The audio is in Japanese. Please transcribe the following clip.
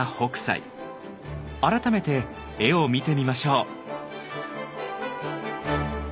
改めて絵を見てみましょう。